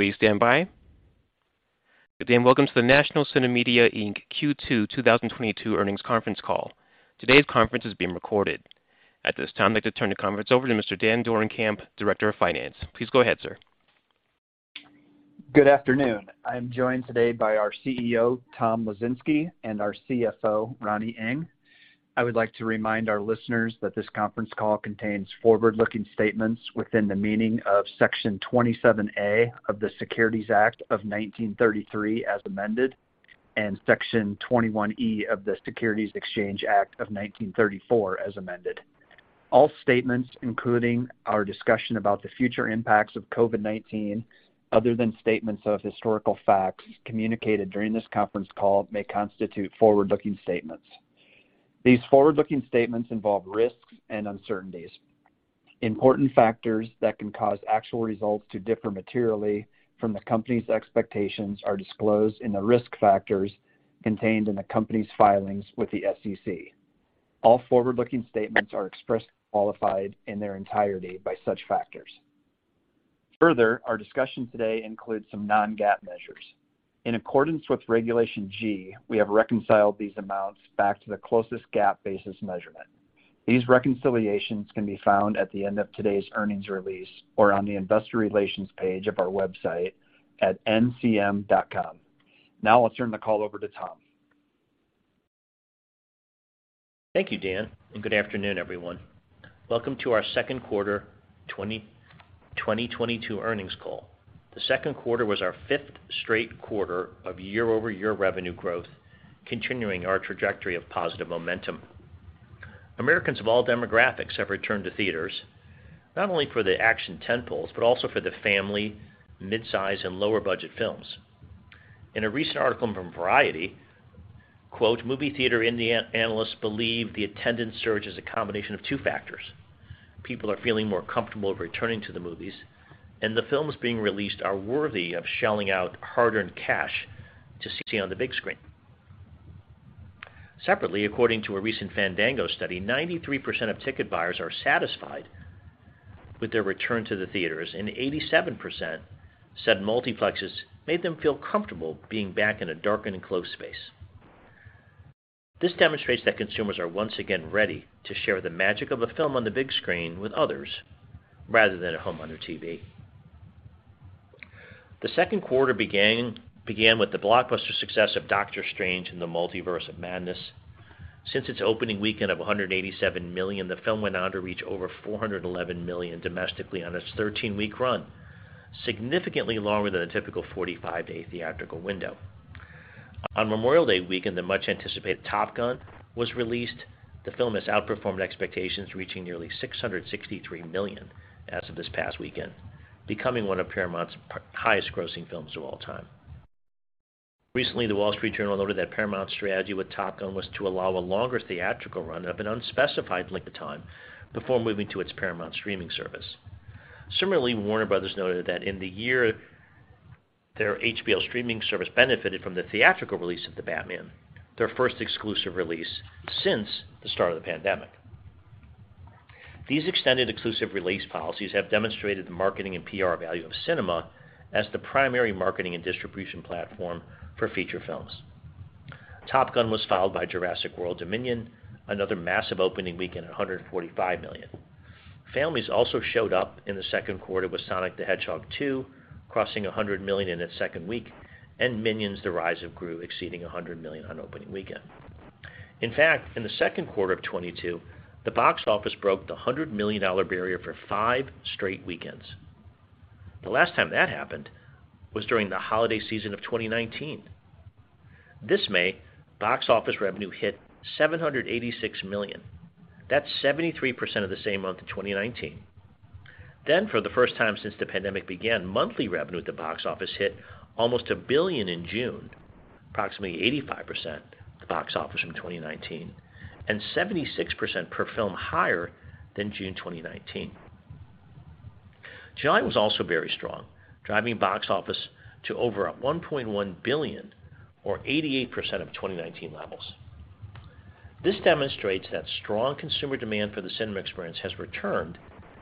Please stand by. Good day and welcome to the National CineMedia, Inc. Q2 2022 earnings conference call. Today's conference is being recorded. At this time, I'd like to turn the conference over to Mr. Dan Dorenkamp, Director of Finance. Please go ahead, sir. Good afternoon. I'm joined today by our CEO, Tom Lesinski, and our CFO, Ronnie Ng. I would like to remind our listeners that this conference call contains forward-looking statements within the meaning of Section 27A of the Securities Act of 1933 as amended, and Section 21E of the Securities Exchange Act of 1934 as amended. All statements, including our discussion about the future impacts of COVID-19, other than statements of historical facts communicated during this conference call, may constitute forward-looking statements. These forward-looking statements involve risks and uncertainties. Important factors that can cause actual results to differ materially from the Company's expectations are disclosed in the risk factors contained in the Company's filings with the SEC. All forward-looking statements are expressed qualified in their entirety by such factors. Further, our discussion today includes some non-GAAP measures. In accordance with Regulation G, we have reconciled these amounts back to the closest GAAP basis measurement. These reconciliations can be found at the end of today's earnings release or on the investor relations page of our website at ncm.com. Now I'll turn the call over to Tom. Thank you, Dan, and good afternoon, everyone. Welcome to our second quarter 2022 earnings call. The second quarter was our fifth straight quarter of year-over-year revenue growth, continuing our trajectory of positive momentum. Americans of all demographics have returned to theaters, not only for the action tentpoles, but also for the family, mid-size, and lower-budget films. In a recent article from Variety, quote, "Movie theater analysts believe the attendance surge is a combination of two factors. People are feeling more comfortable returning to the movies, and the films being released are worthy of shelling out hard-earned cash to see on the big screen." Separately, according to a recent Fandango study, 93% of ticket buyers are satisfied with their return to the theaters, and 87% said multiplexes made them feel comfortable being back in a dark and enclosed space. This demonstrates that consumers are once again ready to share the magic of a film on the big screen with others rather than at home on their TV. The second quarter began with the blockbuster success of Doctor Strange in the Multiverse of Madness. Since its opening weekend of $187 million, the film went on to reach over $411 million domestically on its 13-week run, significantly longer than a typical 45-day theatrical window. On Memorial Day weekend, the much-anticipated Top Gun: Maverick was released. The film has outperformed expectations, reaching nearly $663 million as of this past weekend, becoming one of Paramount Pictures' highest-grossing films of all time. Recently, The Wall Street Journal noted that Paramount Pictures' strategy with Top Gun: Maverick was to allow a longer theatrical run of an unspecified length of time before moving to its Paramount streaming service. Warner Bros. noted that in the year their HBO streaming service benefited from the theatrical release of The Batman, their first exclusive release since the start of the pandemic. These extended exclusive release policies have demonstrated the marketing and PR value of cinema as the primary marketing and distribution platform for feature films. Top Gun was followed by Jurassic World: Dominion, another massive opening weekend at $145 million. Families also showed up in the second quarter with Sonic the Hedgehog 2, crossing $100 million in its second week, and Minions: The Rise of Gru exceeding $100 million on opening weekend. In fact, in the second quarter of 2022, the box office broke the $100 million barrier for five straight weekends. The last time that happened was during the holiday season of 2019. This May, box office revenue hit $786 million. That's 73% of the same month in 2019. For the first time since the pandemic began, monthly revenue at the box office hit almost $1 billion in June, approximately 85% of the box office from 2019 and 76% per film higher than June 2019. July was also very strong, driving box office to over $1.1 billion or 88% of 2019 levels. This demonstrates that strong consumer demand for the cinema experience has returned,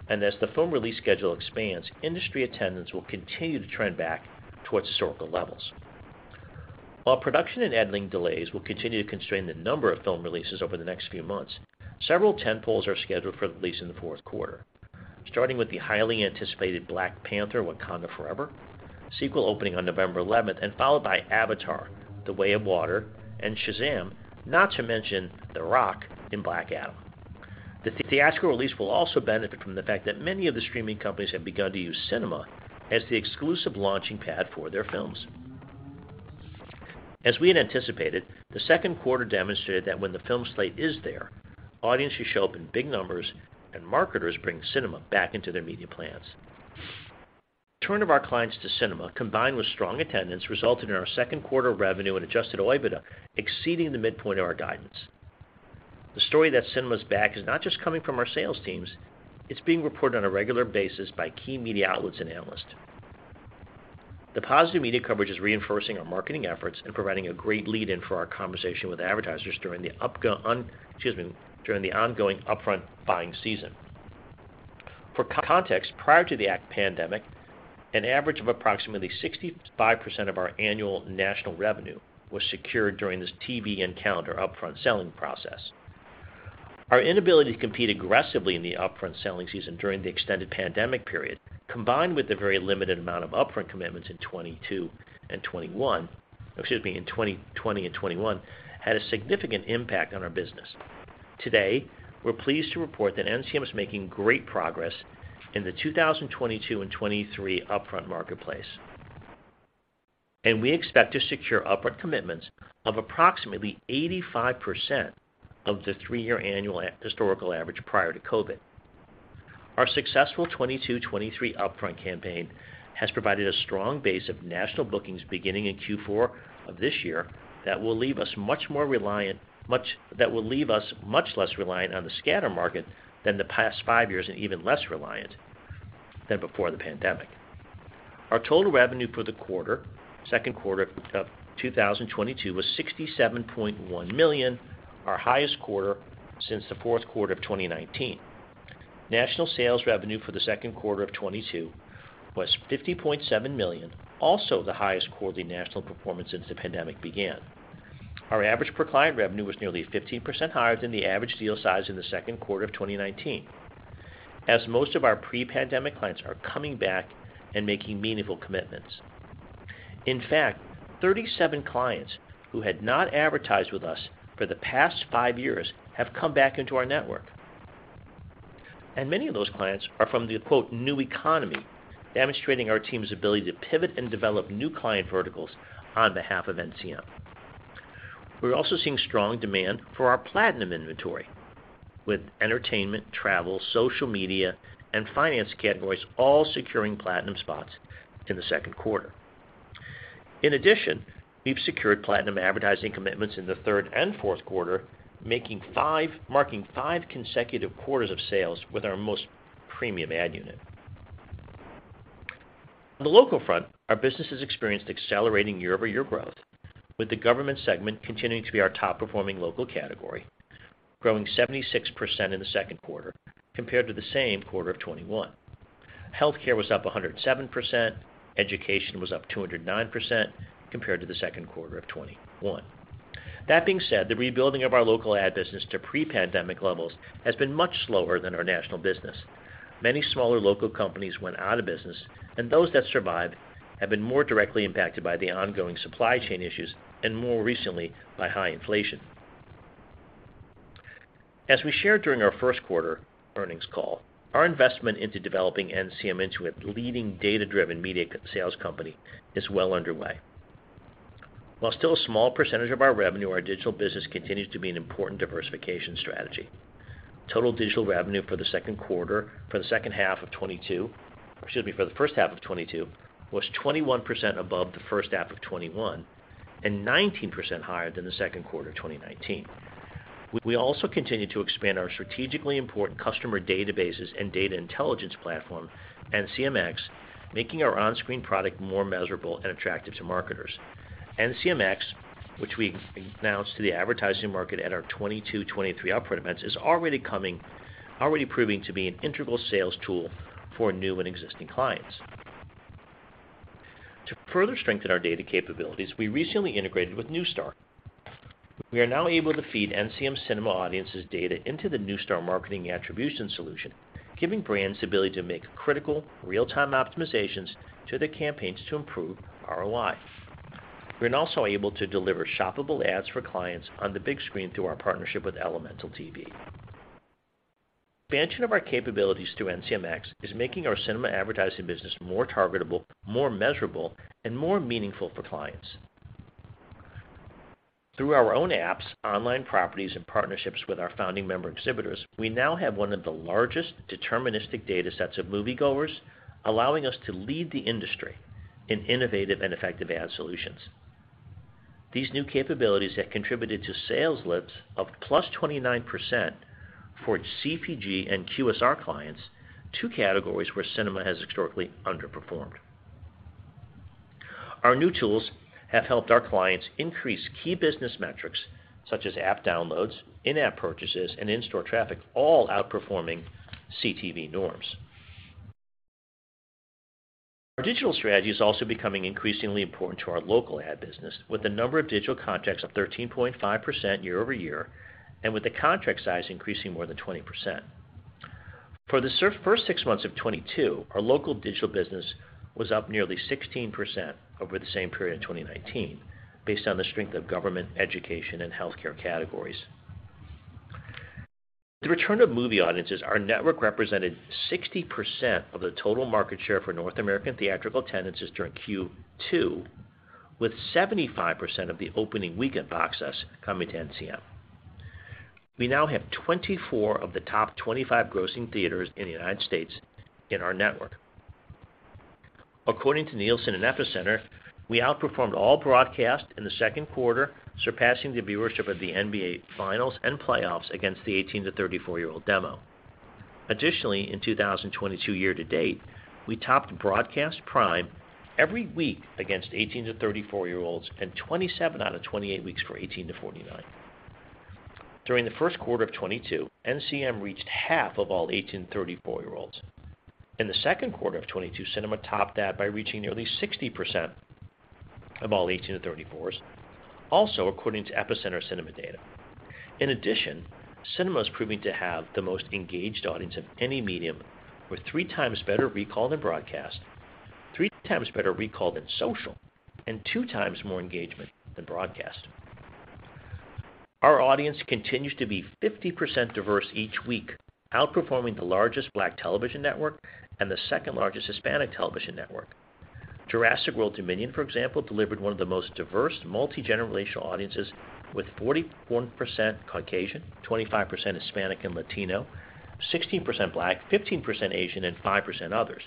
and as the film release schedule expands, industry attendance will continue to trend back toward historical levels. While production and editing delays will continue to constrain the number of film releases over the next few months, several tentpoles are scheduled for release in the fourth quarter, starting with the highly anticipated Black Panther: Wakanda Forever sequel opening on November 11, and followed by Avatar: The Way of Water and Shazam, not to mention The Rock in Black Adam. The theatrical release will also benefit from the fact that many of the streaming companies have begun to use cinema as the exclusive launching pad for their films. As we had anticipated, the second quarter demonstrated that when the film slate is there, audiences show up in big numbers and marketers bring cinema back into their media plans. The return of our clients to cinema, combined with strong attendance, resulted in our second quarter revenue and Adjusted OIBDA exceeding the midpoint of our guidance. The story that cinema's back is not just coming from our sales teams, it's being reported on a regular basis by key media outlets and analysts. The positive media coverage is reinforcing our marketing efforts and providing a great lead in for our conversation with advertisers during the ongoing upfront buying season. For context, prior to the COVID pandemic, an average of approximately 65% of our annual national revenue was secured during this TV-equivalent upfront selling process. Our inability to compete aggressively in the upfront selling season during the extended pandemic period, combined with the very limited amount of upfront commitments in 2020 and 2021, had a significant impact on our business. Today, we're pleased to report that NCM is making great progress in the 2022 and 2023 upfront marketplace, and we expect to secure upfront commitments of approximately 85% of the three-year annual historical average prior to COVID. Our successful 22, 23 upfront campaign has provided a strong base of national bookings beginning in Q4 of this year that will leave us much less reliant on the scatter market than the past five years, and even less reliant than before the pandemic. Our total revenue for the quarter, second quarter of 2022, was $67.1 million, our highest quarter since the fourth quarter of 2019. National sales revenue for the second quarter of 22 was $50.7 million, also the highest quarterly national performance since the pandemic began. Our average per client revenue was nearly 15% higher than the average deal size in the second quarter of 2019 as most of our pre-pandemic clients are coming back and making meaningful commitments. In fact, 37 clients who had not advertised with us for the past five years have come back into our network, and many of those clients are from the, quote, new economy, demonstrating our team's ability to pivot and develop new client verticals on behalf of NCM. We're also seeing strong demand for our platinum inventory with entertainment, travel, social media, and finance categories all securing platinum spots in the second quarter. In addition, we've secured platinum advertising commitments in the third and fourth quarter, marking five consecutive quarters of sales with our most premium ad unit. On the local front, our business has experienced accelerating year-over-year growth, with the government segment continuing to be our top performing local category, growing 76% in the second quarter compared to the same quarter of 2021. Healthcare was up 107%. Education was up 209% compared to the second quarter of 2021. That being said, the rebuilding of our local ad business to pre-pandemic levels has been much slower than our national business. Many smaller local companies went out of business, and those that survived have been more directly impacted by the ongoing supply chain issues and more recently by high inflation. As we shared during our first quarter earnings call, our investment into developing NCM into a leading data-driven media sales company is well underway. While still a small percentage of our revenue, our digital business continues to be an important diversification strategy. Total digital revenue for the first half of 2022 was 21% above the first half of 2021 and 19% higher than the second quarter of 2019. We also continue to expand our strategically important customer databases and data intelligence platform, NCMx, making our on-screen product more measurable and attractive to marketers. NCMx, which we announced to the advertising market at our 2022, 2023 upfront events, is already proving to be an integral sales tool for new and existing clients. To further strengthen our data capabilities, we recently integrated with Neustar. We are now able to feed NCM cinema audiences data into the Neustar marketing attribution solution, giving brands the ability to make critical real-time optimizations to their campaigns to improve ROI. We're also able to deliver shoppable ads for clients on the big screen through our partnership with ElementalTV. Expansion of our capabilities through NCMx is making our cinema advertising business more targetable, more measurable, and more meaningful for clients. Through our own apps, online properties, and partnerships with our founding member exhibitors, we now have one of the largest deterministic data sets of moviegoers, allowing us to lead the industry in innovative and effective ad solutions. These new capabilities have contributed to sales lifts of +29% for CPG and QSR clients, two categories where cinema has historically underperformed. Our new tools have helped our clients increase key business metrics such as app downloads, in-app purchases, and in-store traffic, all outperforming CTV norms. Our digital strategy is also becoming increasingly important to our local ad business. With the number of digital contracts up 13.5% year-over-year, and with the contract size increasing more than 20%. For the first six months of 2022, our local digital business was up nearly 16% over the same period in 2019 based on the strength of government, education, and healthcare categories. The return of movie audiences. Our network represented 60% of the total market share for North American theatrical attendances during Q2, with 75% of the opening weekend box office coming to NCM. We now have 24 of the top 25 grossing theaters in the United States in our network. According to Nielsen and Epicenter, we outperformed all broadcast in the second quarter, surpassing the viewership of the NBA finals and playoffs against the 18- to 34-year-old demo. Additionally, in 2022 year to date, we topped broadcast prime every week against 18- to 34-year-olds and 27 out of 28 weeks for 18- to 49. During the first quarter of 2022, NCM reached half of all 18- to 34-year-olds. In the second quarter of 2022, cinema topped that by reaching nearly 60% of all 18- to 34s, also according to Epicenter Cinema data. In addition, cinema is proving to have the most engaged audience of any medium, with three times better recall than broadcast, three times better recall than social, and two times more engagement than broadcast. Our audience continues to be 50% diverse each week, outperforming the largest Black television network and the second-largest Hispanic television network. Jurassic World Dominion, for example, delivered one of the most diverse multi-generational audiences with 41% Caucasian, 25% Hispanic and Latino, 16% Black, 15% Asian, and 5% others.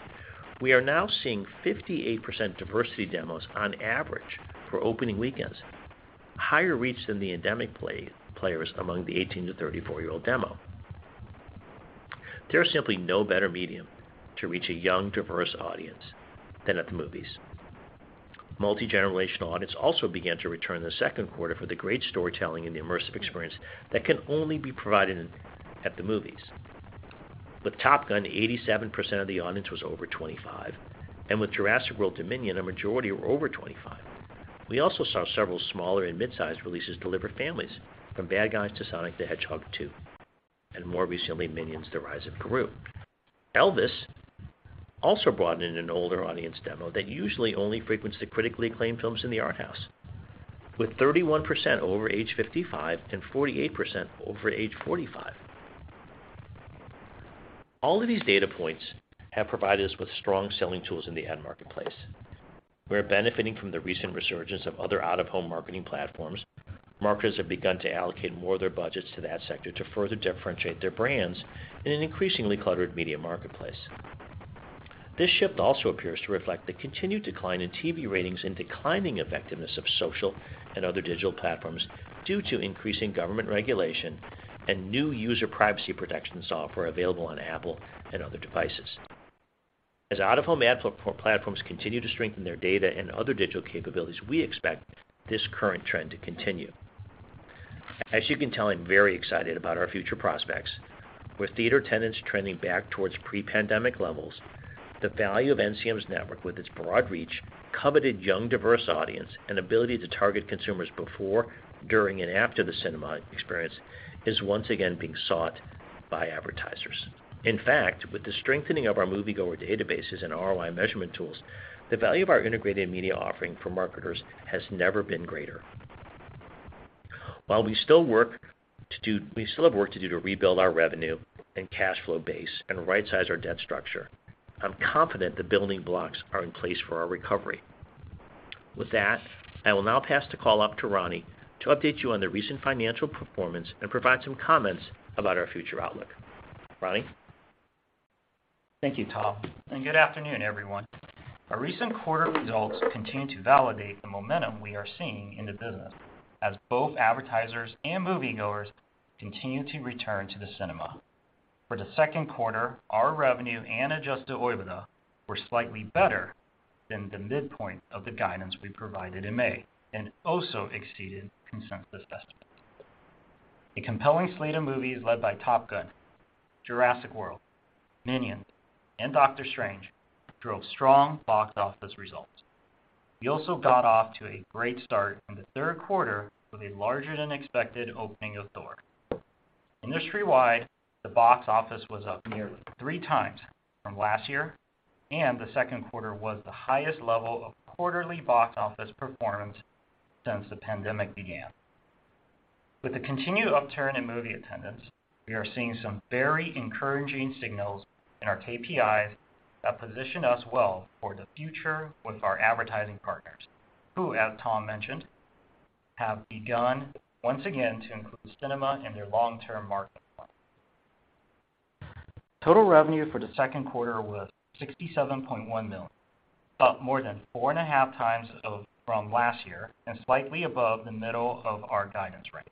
We are now seeing 58% diversity demos on average for opening weekends, higher reach than the endemic play-players among the 18-34-year-old demo. There is simply no better medium to reach a young, diverse audience than at the movies. Multi-generational audience also began to return in the second quarter for the great storytelling and the immersive experience that can only be provided at the movies. With Top Gun, 87% of the audience was over 25, and with Jurassic World Dominion, a majority were over 25. We also saw several smaller and mid-sized releases deliver families from The Bad Guys to Sonic the Hedgehog 2, and more recently, Minions: The Rise of Gru. Elvis also brought in an older audience demo that usually only frequents the critically acclaimed films in the art house, with 31% over age 55 and 48% over age 45. All of these data points have provided us with strong selling tools in the ad marketplace. We're benefiting from the recent resurgence of other out-of-home marketing platforms. Marketers have begun to allocate more of their budgets to that sector to further differentiate their brands in an increasingly cluttered media marketplace. This shift also appears to reflect the continued decline in TV ratings and declining effectiveness of social and other digital platforms due to increasing government regulation and new user privacy protection software available on Apple and other devices. As out-of-home ad platforms continue to strengthen their data and other digital capabilities, we expect this current trend to continue. As you can tell, I'm very excited about our future prospects. With theater attendance trending back towards pre-pandemic levels, the value of NCM's network with its broad reach, coveted young, diverse audience, and ability to target consumers before, during, and after the cinema experience is once again being sought by advertisers. In fact, with the strengthening of our moviegoer databases and ROI measurement tools, the value of our integrated media offering for marketers has never been greater. While we still have work to do to rebuild our revenue and cash flow base and rightsize our debt structure, I'm confident the building blocks are in place for our recovery. With that, I will now pass the call up to Ronnie to update you on the recent financial performance and provide some comments about our future outlook. Ronnie? Thank you, Tom, and good afternoon, everyone. Our recent quarter results continue to validate the momentum we are seeing in the business as both advertisers and moviegoers continue to return to the cinema. For the second quarter, our revenue and Adjusted OIBDA were slightly better than the midpoint of the guidance we provided in May and also exceeded consensus estimates. A compelling slate of movies led by Top Gun, Jurassic World, Minions, and Doctor Strange drove strong box office results. We also got off to a great start in the third quarter with a larger-than-expected opening of Thor. Industry-wide, the box office was up nearly three times from last year, and the second quarter was the highest level of quarterly box office performance since the pandemic began. With the continued upturn in movie attendance, we are seeing some very encouraging signals in our KPIs that position us well for the future with our advertising partners, who, as Tom mentioned, have begun once again to include cinema in their long-term market plan. Total revenue for the second quarter was $67.1 million, up more than 4.5 times from last year and slightly above the middle of our guidance range.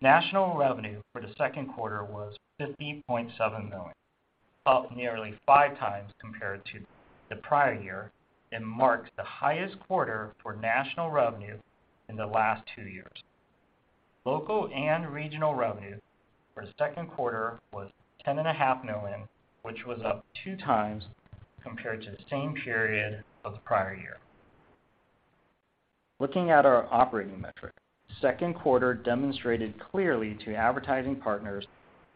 National revenue for the second quarter was $50.7 million, up nearly 5 times compared to the prior year and marks the highest quarter for national revenue in the last two years. Local and regional revenue for the second quarter was $10.5 million, which was up 2 times compared to the same period of the prior year. Looking at our operating metrics, second quarter demonstrated clearly to advertising partners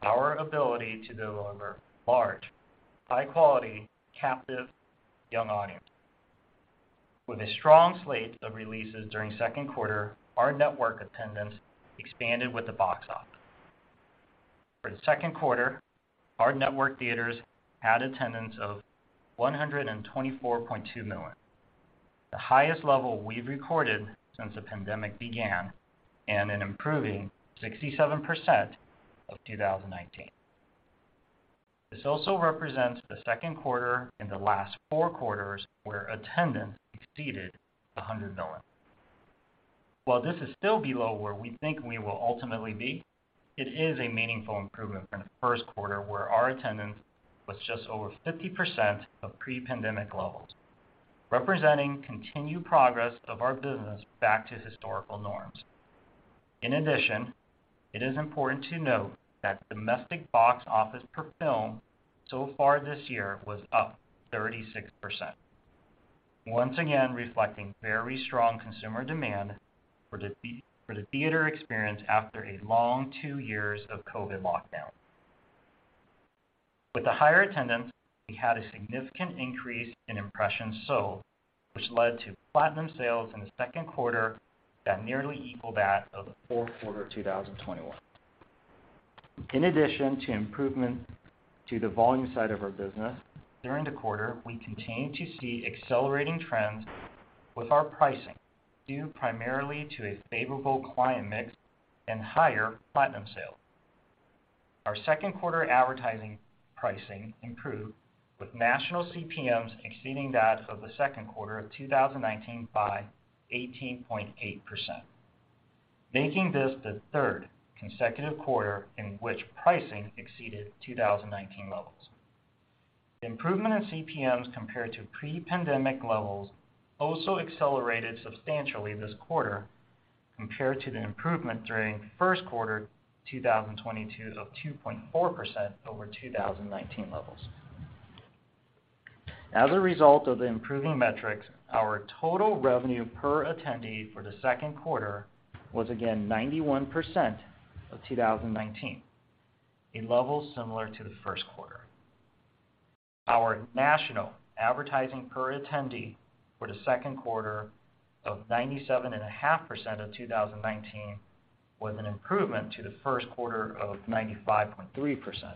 our ability to deliver large, high quality, captive, young audience. With a strong slate of releases during second quarter, our network attendance expanded with the box office. For the second quarter, our network theaters had attendance of 124.2 million, the highest level we've recorded since the pandemic began and an improving 67% of 2019. This also represents the second quarter in the last four quarters where attendance exceeded 100 million. While this is still below where we think we will ultimately be, it is a meaningful improvement from the first quarter, where our attendance was just over 50% of pre-pandemic levels, representing continued progress of our business back to historical norms. In addition, it is important to note that domestic box office per film so far this year was up 36%. Once again, reflecting very strong consumer demand for the theater experience after a long two years of COVID lockdown. With the higher attendance, we had a significant increase in impressions sold, which led to platinum sales in the second quarter that nearly equaled that of the fourth quarter of 2021. In addition to improvement to the volume side of our business, during the quarter, we continued to see accelerating trends with our pricing, due primarily to a favorable client mix and higher platinum sales. Our second quarter advertising pricing improved, with national CPMs exceeding that of the second quarter of 2019 by 18.8%, making this the third consecutive quarter in which pricing exceeded 2019 levels. Improvement in CPMs compared to pre-pandemic levels also accelerated substantially this quarter compared to the improvement during first quarter 2022 of 2.4% over 2019 levels. As a result of the improving metrics, our total revenue per attendee for the second quarter was again 91% of 2019, a level similar to the first quarter. Our national advertising per attendee for the second quarter of 97.5% of 2019 was an improvement to the first quarter of 95.3%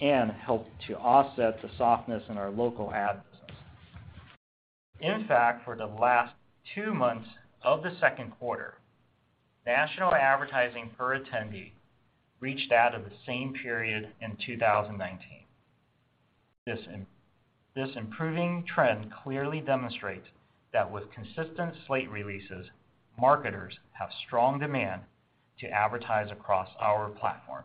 and helped to offset the softness in our local ad business. In fact, for the last two months of the second quarter, national advertising per attendee reached that of the same period in 2019. This improving trend clearly demonstrates that with consistent slate releases, marketers have strong demand to advertise across our platform.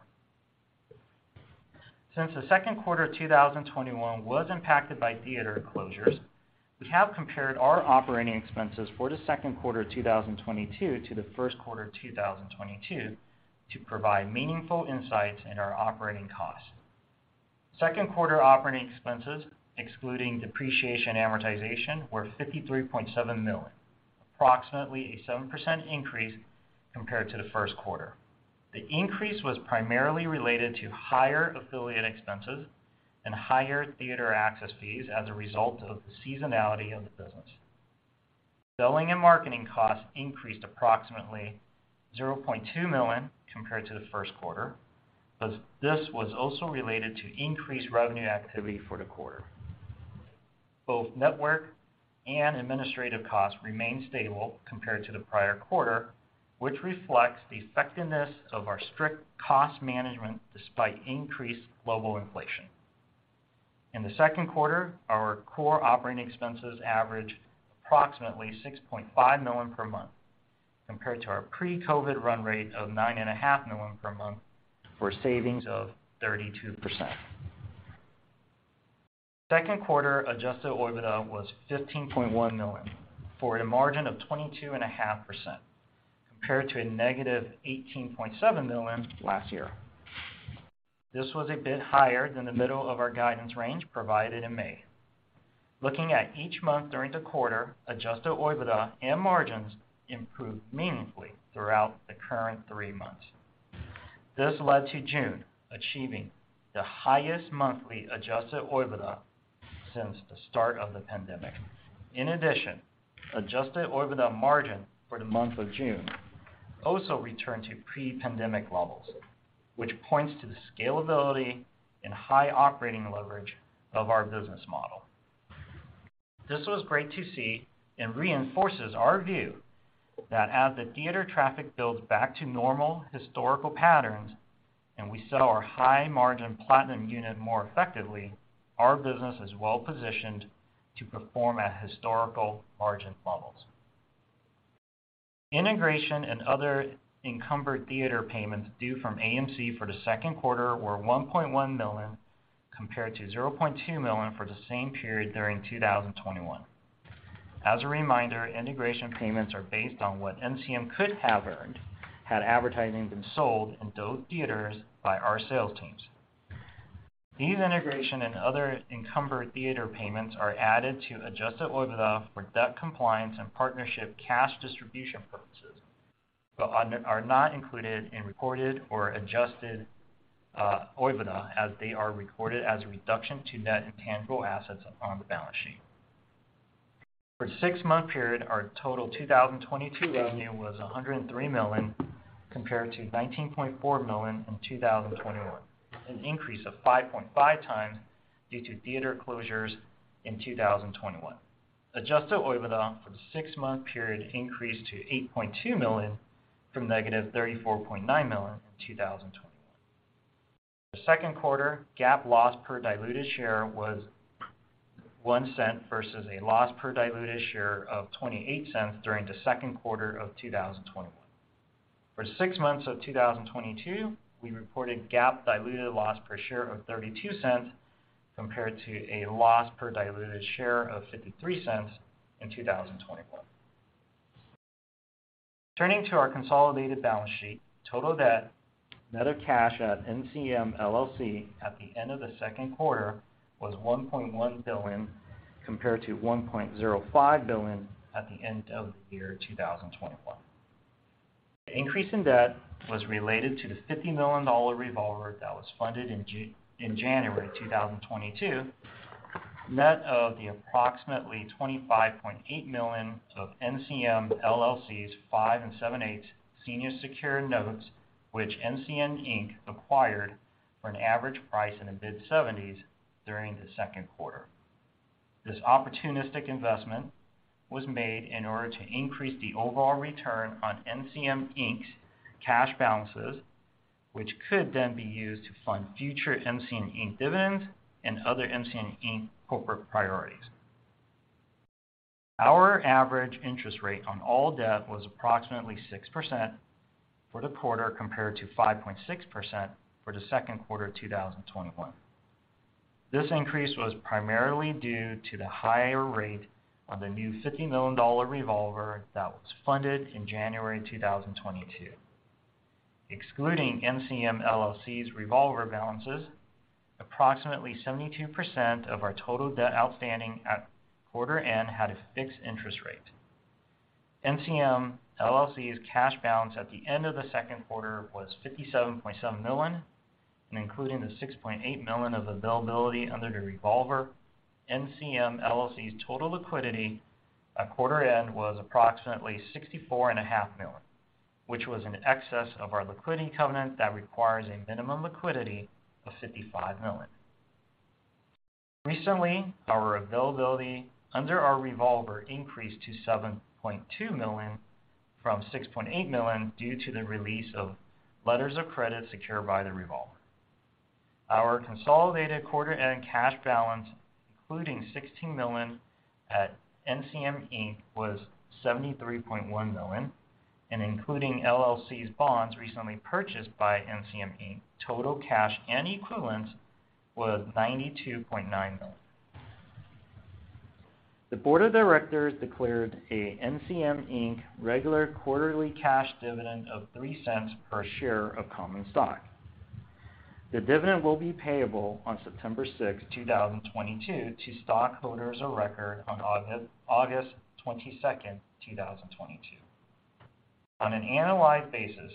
Since the second quarter of 2021 was impacted by theater closures, we have compared our operating expenses for the second quarter of 2022 to the first quarter of 2022 to provide meaningful insights into our operating costs. Second quarter operating expenses, excluding depreciation and amortization, were $53.7 million, approximately a 7% increase compared to the first quarter. The increase was primarily related to higher affiliate expenses and higher theater access fees as a result of the seasonality of the business. Selling and marketing costs increased approximately $0.2 million compared to the first quarter, but this was also related to increased revenue activity for the quarter. Both network and administrative costs remained stable compared to the prior quarter, which reflects the effectiveness of our strict cost management despite increased global inflation. In the second quarter, our core operating expenses averaged approximately $6.5 million per month compared to our pre-COVID run rate of $9.5 million per month, for a savings of 32%. Second quarter Adjusted OIBDA was $15.1 million, for a margin of 22.5% compared to -$18.7 million last year. This was a bit higher than the middle of our guidance range provided in May. Looking at each month during the quarter, Adjusted OIBDA and margins improved meaningfully throughout the current three months. This led to June achieving the highest monthly Adjusted OIBDA since the start of the pandemic. In addition, Adjusted OIBDA margin for the month of June also returned to pre-pandemic levels, which points to the scalability and high operating leverage of our business model. This was great to see and reinforces our view that as the theater traffic builds back to normal historical patterns and we sell our high-margin Platinum unit more effectively, our business is well positioned to perform at historical margin levels. Integration and other encumbered theater payments due from AMC for the second quarter were $1.1 million, compared to $0.2 million for the same period during 2021. As a reminder, integration payments are based on what NCM could have earned had advertising been sold in those theaters by our sales teams. These integration and other encumbered theater payments are added to Adjusted OIBDA for debt compliance and partnership cash distribution purposes, but are not included in reported or Adjusted OIBDA as they are recorded as a reduction to net intangible assets on the balance sheet. For the six-month period, our total 2022 revenue was $103 million, compared to $19.4 million in 2021, an increase of 5.5 times due to theater closures in 2021. Adjusted OIBDA for the six-month period increased to $8.2 million, from -$34.9 million in 2021. The second quarter GAAP loss per diluted share was $0.01 versus a loss per diluted share of $0.28 during the second quarter of 2021. For six months of 2022, we reported GAAP diluted loss per share of $0.32 compared to a loss per diluted share of $0.53 in 2021. Turning to our consolidated balance sheet, total debt net of cash at NCM LLC at the end of the second quarter was $1.1 billion compared to $1.05 billion at the end of the year 2021. The increase in debt was related to the $50 million revolver that was funded in January 2022, net of the approximately $25.8 million of NCM LLC's 5 7/8 senior secured notes, which NCM Inc. Acquired for an average price in the mid-70s during the second quarter. This opportunistic investment was made in order to increase the overall return on NCM Inc's cash balances, which could then be used to fund future NCM Inc. dividends and other NCM Inc. corporate priorities. Our average interest rate on all debt was approximately 6% for the quarter, compared to 5.6% for the second quarter of 2021. This increase was primarily due to the higher rate on the new $50 million revolver that was funded in January 2022. Excluding NCM LLC's revolver balances, approximately 72% of our total debt outstanding at quarter end had a fixed interest rate. NCM LLC's cash balance at the end of the second quarter was $57.7 million, and including the $6.8 million of availability under the revolver, NCM LLC's total liquidity at quarter end was approximately $64.5 million, which was in excess of our liquidity covenant that requires a minimum liquidity of $55 million. Recently, our availability under our revolver increased to $7.2 million from $6.8 million due to the release of letters of credit secured by the revolver. Our consolidated quarter-end cash balance, including $16 million at NCM Inc., was $73.1 million, and including LLC's bonds recently purchased by NCM Inc., total cash and equivalents was $92.9 million. The board of directors declared a NCM Inc. regular quarterly cash dividend of $0.03 per share of common stock. The dividend will be payable on September sixth, 2022 to stockholders of record on August twenty-second, 2022. On an annualized basis,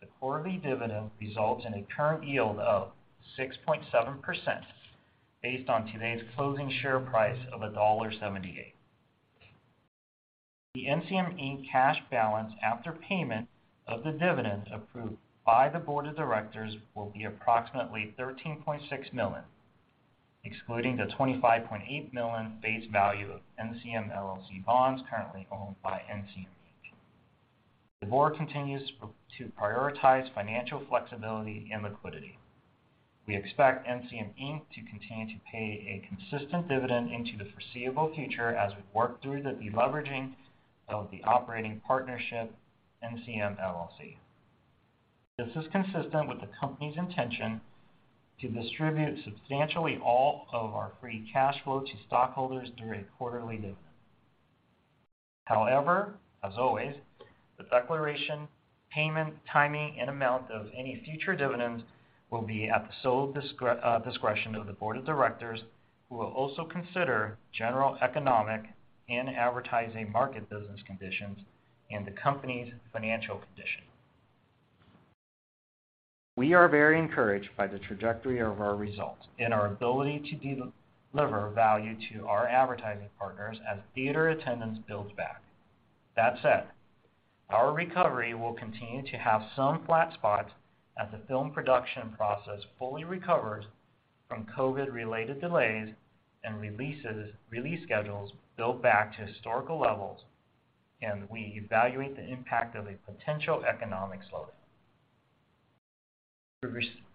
the quarterly dividend results in a current yield of 6.7% based on today's closing share price of $1.78. The NCM Inc. cash balance after payment of the dividend approved by the board of directors will be approximately $13.6 million, excluding the $25.8 million face value of NCM LLC bonds currently owned by NCM Inc. The board continues to prioritize financial flexibility and liquidity. We expect NCM Inc. to continue to pay a consistent dividend into the foreseeable future as we work through the deleveraging of the operating partnership, NCM LLC. This is consistent with the company's intention to distribute substantially all of our free cash flow to stockholders through a quarterly dividend. However, as always, the declaration, payment, timing, and amount of any future dividends will be at the sole discretion of the board of directors, who will also consider general economic and advertising market business conditions and the company's financial condition. We are very encouraged by the trajectory of our results and our ability to deliver value to our advertising partners as theater attendance builds back. That said, our recovery will continue to have some flat spots as the film production process fully recovers from COVID-related delays and release schedules build back to historical levels and we evaluate the impact of a potential economic slowdown.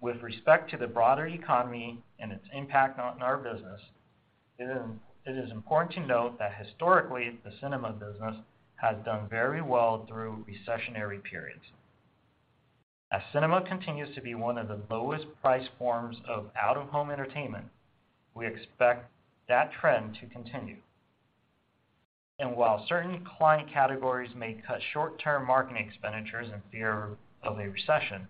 With respect to the broader economy and its impact on our business, it is important to note that historically, the cinema business has done very well through recessionary periods. As cinema continues to be one of the lowest priced forms of out-of-home entertainment, we expect that trend to continue. While certain client categories may cut short-term marketing expenditures in fear of a recession,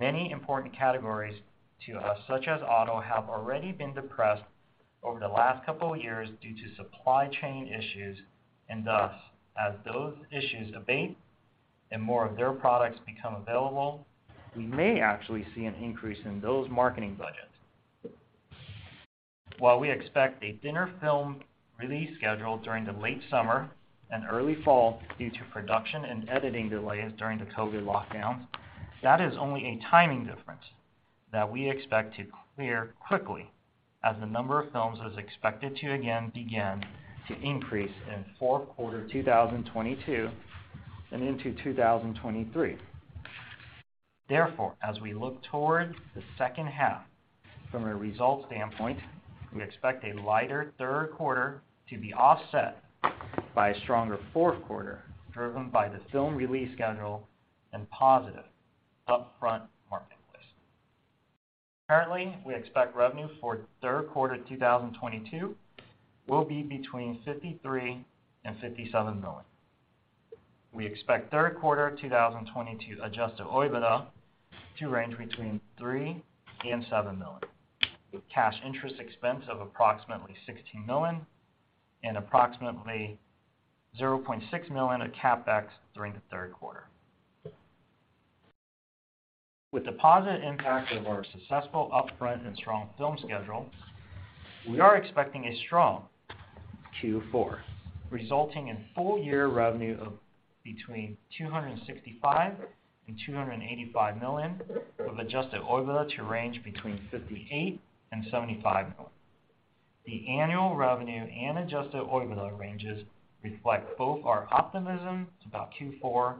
many important categories to us, such as auto, have already been depressed over the last couple years due to supply chain issues, and thus, as those issues abate and more of their products become available, we may actually see an increase in those marketing budgets. While we expect a thinner film release schedule during the late summer and early fall due to production and editing delays during the COVID lockdowns, that is only a timing difference that we expect to clear quickly as the number of films is expected to again begin to increase in fourth quarter 2022 and into 2023. Therefore, as we look towards the second half from a result standpoint, we expect a lighter third quarter to be offset by a stronger fourth quarter, driven by the film release schedule and positive upfront marketplace. Currently, we expect revenue for third quarter 2022 will be between $53 million and $57 million. We expect third quarter 2022 Adjusted OIBDA to range between $3 million and $7 million. With cash interest expense of approximately $16 million and approximately $0.6 million of CapEx during the third quarter. With the positive impact of our successful upfront and strong film schedule, we are expecting a strong Q4, resulting in full year revenue of between $265 million and $285 million, with Adjusted OIBDA to range between $58 million and $75 million. The annual revenue and Adjusted OIBDA ranges reflect both our optimism about Q4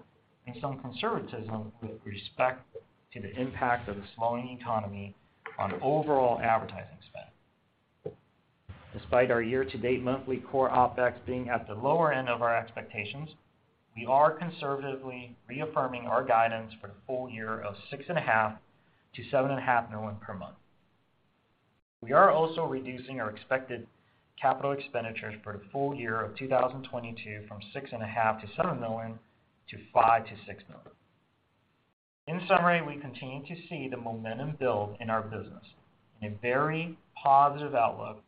and some conservatism with respect to the impact of the slowing economy on overall advertising spend. Despite our year-to-date monthly core OpEx being at the lower end of our expectations, we are conservatively reaffirming our guidance for the full year of $6.5-$7.5 million per month. We are also reducing our expected capital expenditures for the full year of 2022 from $6.5-$7 million to $5-$6 million. In summary, we continue to see the momentum build in our business and a very positive outlook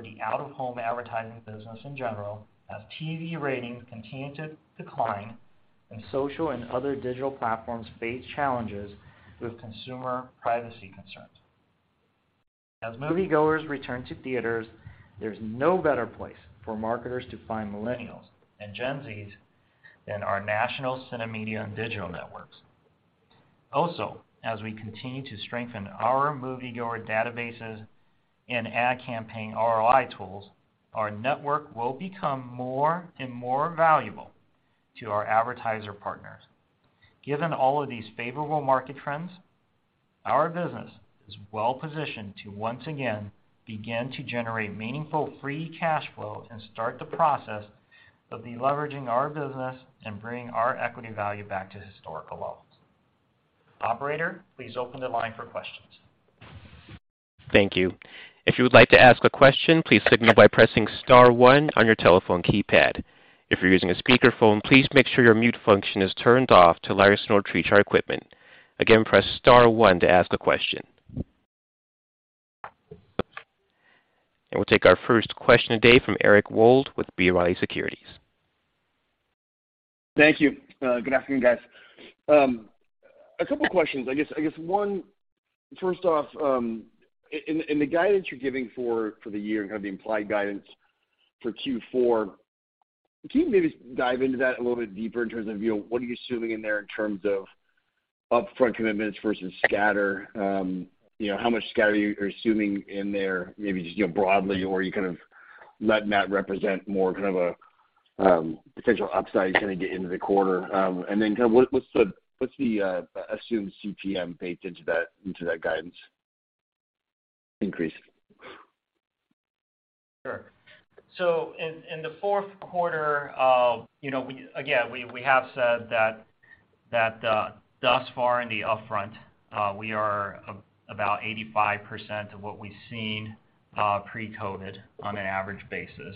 for the out-of-home advertising business in general as TV ratings continue to decline and social and other digital platforms face challenges with consumer privacy concerns. As moviegoers return to theaters, there's no better place for marketers to find millennials and Gen Zs than our National CineMedia and digital networks. Also, as we continue to strengthen our moviegoer databases and ad campaign ROI tools, our network will become more and more valuable to our advertiser partners. Given all of these favorable market trends, our business is well positioned to once again begin to generate meaningful free cash flow and start the process of de-leveraging our business and bringing our equity value back to historical lows. Operator, please open the line for questions. Thank you. If you would like to ask a question, please signal by pressing star one on your telephone keypad. If you're using a speakerphone, please make sure your mute function is turned off to allow your signal to reach our equipment. Again, press star one to ask a question. We'll take our first question today from Eric Wold with B. Riley Securities. Thank you. Good afternoon, guys. A couple questions. I guess one, first off, in the guidance you're giving for the year and kind of the implied guidance for Q4, can you maybe dive into that a little bit deeper in terms of, you know, what are you assuming in there in terms of upfront commitments versus scatter? You know, how much scatter you are assuming in there, maybe just, you know, broadly? Or are you kind of letting that represent more kind of a potential upside kind of get into the quarter? And then kind of what's the assumed CPM baked into that guidance increase? Sure. In the fourth quarter, you know, again, we have said that thus far in the upfront, we are about 85% of what we've seen pre-COVID on an average basis.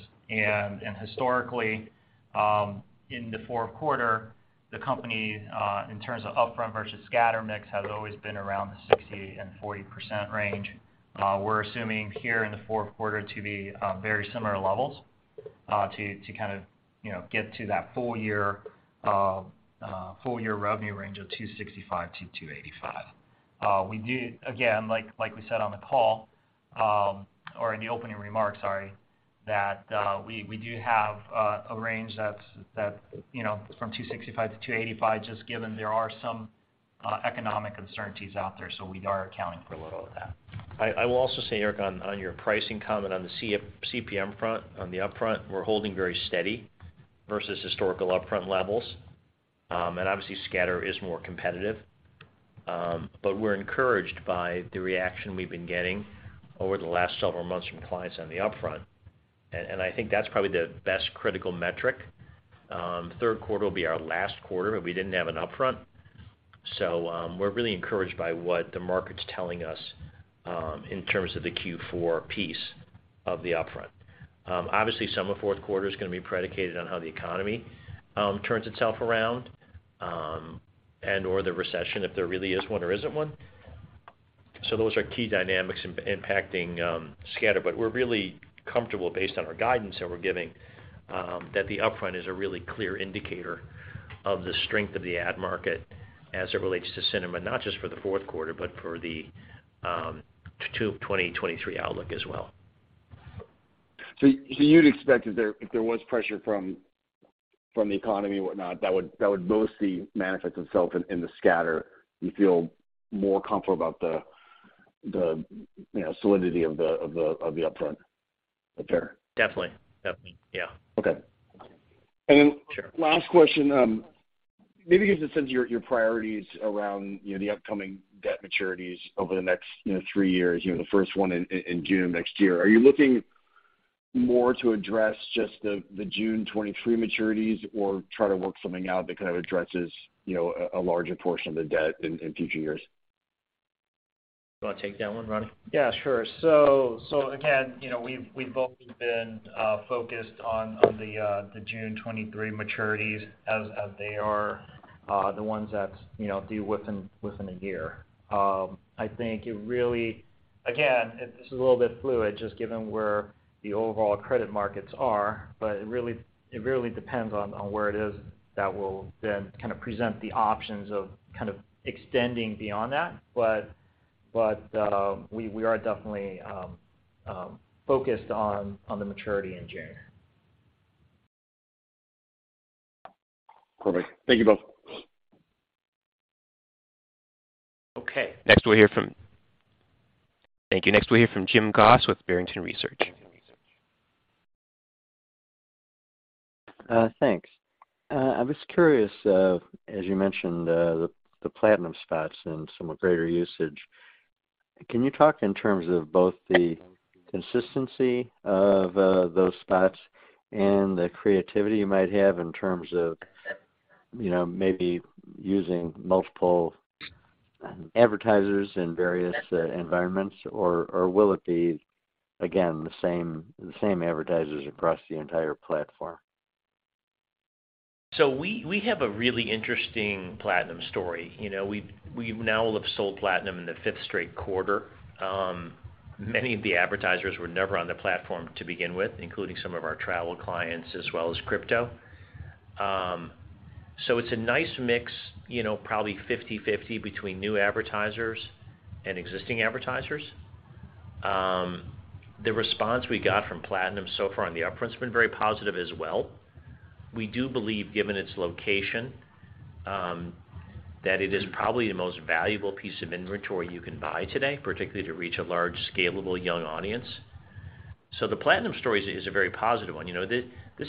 Historically, in the fourth quarter, the company in terms of upfront versus scatter mix has always been around the 60%-40% range. We're assuming here in the fourth quarter to be very similar levels to kind of you know get to that full year revenue range of $265-$285. Again, like we said on the call, or in the opening remarks, sorry, that we do have a range that's you know from $265-$285, just given there are some economic uncertainties out there. We are accounting for a little of that. I will also say, Eric, on your pricing comment on the CF-CPM front, on the upfront, we're holding very steady versus historical upfront levels. Obviously, scatter is more competitive. We're encouraged by the reaction we've been getting over the last several months from clients on the upfront. I think that's probably the best critical metric. Third quarter will be our last quarter that we didn't have an upfront. We're really encouraged by what the market's telling us in terms of the Q4 piece of the upfront. Obviously, some of fourth quarter is gonna be predicated on how the economy turns itself around and/or the recession, if there really is one or isn't one. Those are key dynamics impacting scatter. We're really comfortable based on our guidance that we're giving, that the upfront is a really clear indicator of the strength of the ad market as it relates to cinema, not just for the fourth quarter, but for the 2023 outlook as well. You'd expect if there was pressure from the economy or whatnot, that would mostly manifest itself in the scatter. You feel more comfortable about the, you know, solidity of the upfront. Is that fair? Definitely. Yeah. Okay. Then last question, maybe give us a sense of your priorities around, you know, the upcoming debt maturities over the next, you know, three years. You know, the first one in June of next year. Are you looking more to address just the June 2023 maturities or try to work something out that kind of addresses, you know, a larger portion of the debt in future years? You wanna take that one, Ronnie? Yeah, sure. Again, you know, we've both been focused on the June 2023 maturities as they are the ones that, you know, due within a year. I think it really again, this is a little bit fluid just given where the overall credit markets are, but it really depends on where it is that we'll then kind of present the options of kind of extending beyond that. We are definitely focused on the maturity in June. Perfect. Thank you both. Okay. Thank you. Next, we hear from Jim Goss with Barrington Research. Thanks. I was curious, as you mentioned, the Platinum spots and some greater usage, can you talk in terms of both the consistency of those spots and the creativity you might have in terms of, you know, maybe using multiple advertisers in various environments? Or will it be, again, the same advertisers across the entire platform? We have a really interesting Platinum story. You know, we now will have sold Platinum in the fifth straight quarter. Many of the advertisers were never on the platform to begin with, including some of our travel clients as well as crypto. It's a nice mix, you know, probably 50/50 between new advertisers and existing advertisers. The response we got from Platinum so far on the upfront's been very positive as well. We do believe, given its location, that it is probably the most valuable piece of inventory you can buy today, particularly to reach a large scalable young audience. The Platinum story is a very positive one. You know, this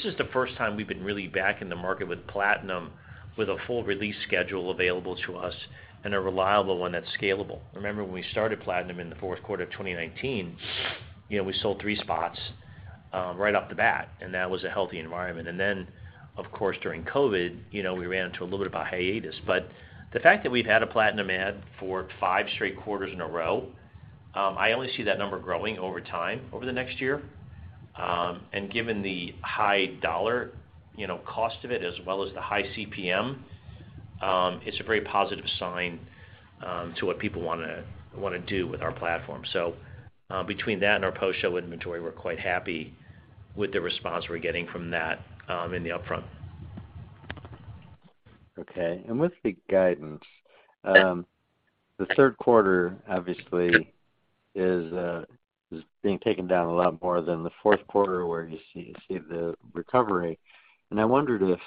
is the first time we've been really back in the market with Platinum with a full release schedule available to us and a reliable one that's scalable. Remember when we started Platinum in the fourth quarter of 2019, you know, we sold three spots right off the bat, and that was a healthy environment. Of course, during COVID, you know, we ran into a little bit of a hiatus. The fact that we've had a Platinum ad for five straight quarters in a row, I only see that number growing over time over the next year. Given the high-dollar, you know, cost of it as well as the high CPM, it's a very positive sign to what people wanna do with our platform. Between that and our post-show inventory, we're quite happy with the response we're getting from that in the upfront. Okay. With the guidance, the third quarter obviously is being taken down a lot more than the fourth quarter where you see the recovery. I wondered if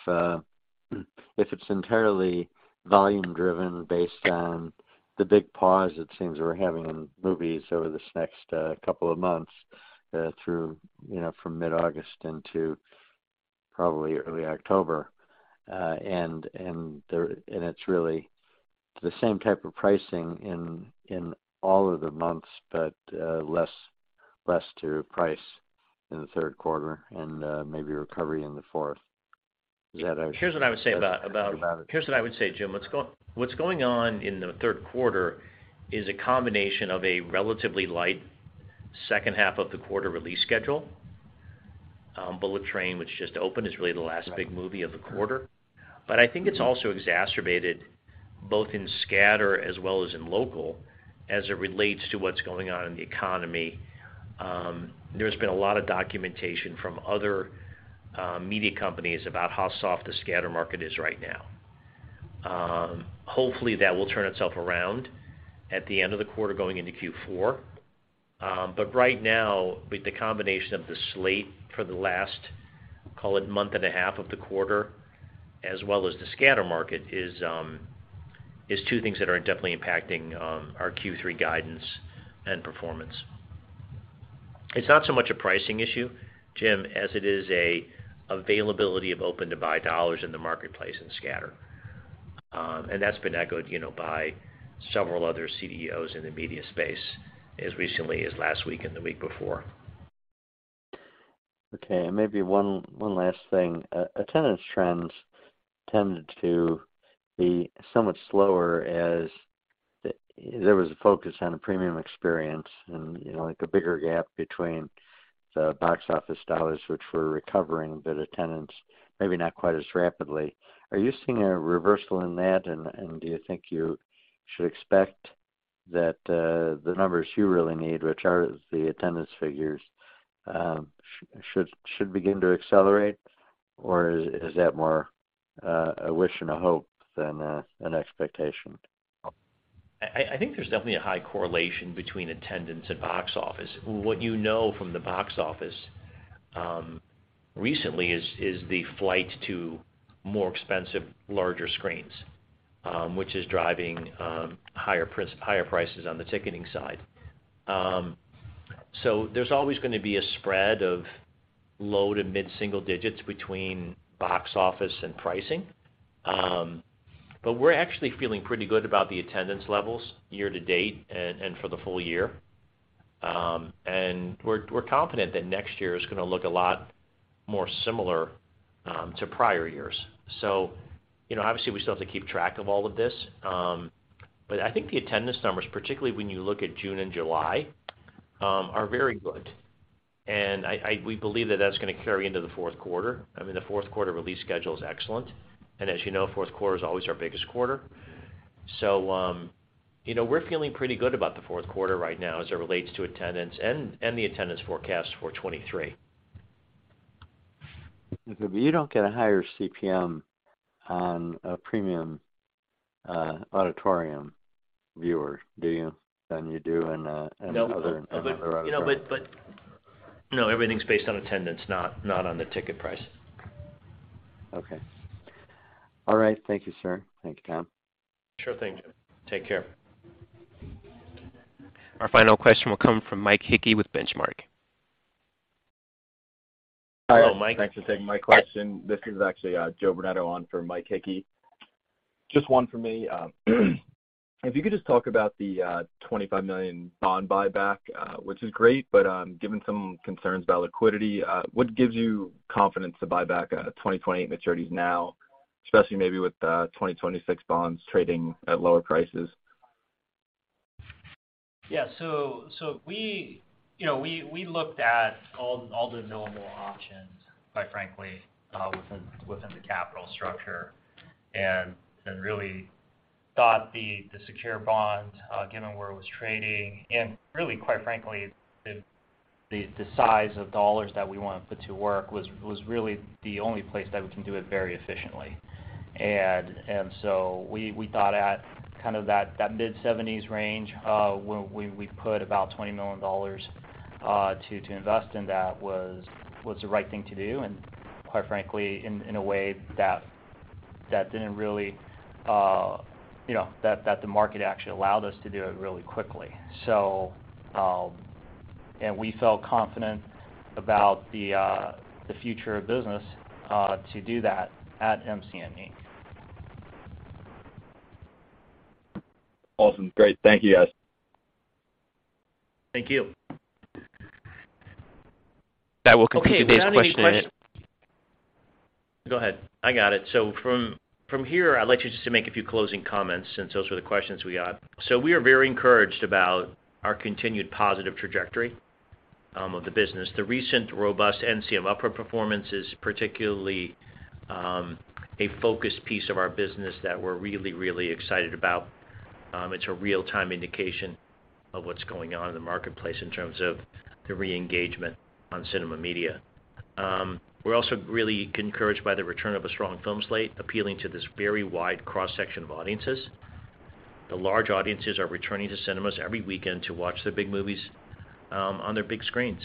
it's entirely volume driven based on the big pause it seems we're having in movies over this next couple of months through, you know, from mid-August into probably early October. It's really the same type of pricing in all of the months, but less to price in the third quarter and maybe recovery in the fourth. Is that a- Here's what I would say, Jim. What's going on in the third quarter is a combination of a relatively light second half of the quarter release schedule. Bullet Train, which just opened, is really the last big movie of the quarter. I think it's also exacerbated both in scatter as well as in local as it relates to what's going on in the economy. There's been a lot of documentation from other media companies about how soft the scatter market is right now. Hopefully that will turn itself around at the end of the quarter going into Q4. Right now, with the combination of the slate for the last, call it month and a half of the quarter, as well as the scatter market, is two things that are definitely impacting our Q3 guidance and performance. It's not so much a pricing issue, Jim, as it is an availability of open-to-buy dollars in the marketplace and scatter. That's been echoed, you know, by several other CEOs in the media space as recently as last week and the week before. Okay. Maybe one last thing. Attendance trends tended to be somewhat slower as there was a focus on a premium experience and, you know, like a bigger gap between the box office dollars, which were recovering, but attendance maybe not quite as rapidly. Are you seeing a reversal in that, and do you think you should expect that the numbers you really need, which are the attendance figures, should begin to accelerate, or is that more a wish and a hope than an expectation? I think there's definitely a high correlation between attendance and box office. What you know from the box office recently is the flight to more expensive, larger screens, which is driving higher prices on the ticketing side. There's always gonna be a spread of low-to-mid single digits between box office and pricing. We're actually feeling pretty good about the attendance levels year-to-date and for the full year. We're confident that next year is gonna look a lot more similar to prior years. You know, obviously we still have to keep track of all of this. I think the attendance numbers, particularly when you look at June and July, are very good. We believe that that's gonna carry into the fourth quarter. I mean, the fourth quarter release schedule is excellent, and as you know, fourth quarter is always our biggest quarter. You know, we're feeling pretty good about the fourth quarter right now as it relates to attendance and the attendance forecast for 2023. You don't get a higher CPM on a premium auditorium viewer, do you, than you do in other auditoriums? No. You know, everything's based on attendance, not on the ticket price. Okay. All right. Thank you, sir. Thank you, Tom. Sure thing, Jim. Take care. Our final question will come from Mike Hickey with Benchmark. Hello, Mike. Thanks for taking my question. This is actually Joe Brunetto on for Mike Hickey. Just one for me. If you could just talk about the $25 million bond buyback, which is great, but given some concerns about liquidity, what gives you confidence to buy back 2020 maturities now, especially maybe with the 2026 bonds trading at lower prices? Yeah. We looked at all the normal options, quite frankly, within the capital structure, and really thought the secure bond, given where it was trading and really, quite frankly, the size of dollars that we wanna put to work was really the only place that we can do it very efficiently. We thought at kind of that mid-seventies range, where we put about $20 million to invest in that was the right thing to do, and quite frankly, in a way that didn't really, you know, the market actually allowed us to do it really quickly. We felt confident about the future of business to do that at NCM. Awesome. Great. Thank you guys. Thank you. That will conclude today's question. From here, I'd like just to make a few closing comments since those were the questions we got. We are very encouraged about our continued positive trajectory of the business. The recent robust NCM upfront performance is particularly a focused piece of our business that we're really, really excited about. It's a real-time indication of what's going on in the marketplace in terms of the re-engagement on cinema media. We're also really encouraged by the return of a strong film slate appealing to this very wide cross-section of audiences. The large audiences are returning to cinemas every weekend to watch the big movies on their big screens.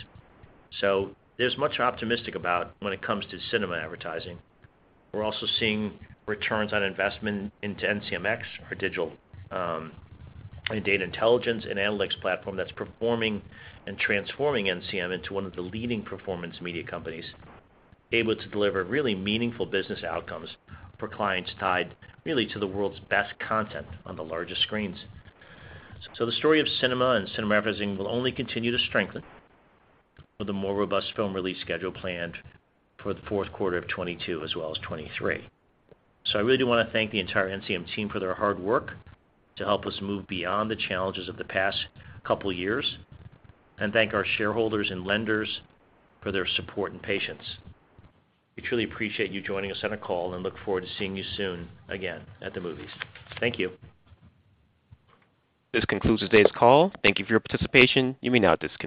There's much to be optimistic about when it comes to cinema advertising. We're also seeing returns on investment into NCMx, our digital, data intelligence and analytics platform that's performing and transforming NCM into one of the leading performance media companies, able to deliver really meaningful business outcomes for clients tied really to the world's best content on the largest screens. The story of cinema and cinema advertising will only continue to strengthen with a more robust film release schedule planned for the fourth quarter of 2022 as well as 2023. I really do wanna thank the entire NCM team for their hard work to help us move beyond the challenges of the past couple years, and thank our shareholders and lenders for their support and patience. We truly appreciate you joining us on the call and look forward to seeing you soon again at the movies. Thank you. This concludes today's call. Thank you for your participation. You may now disconnect.